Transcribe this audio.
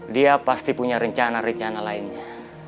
dia pasti punya rencana rencana lainnya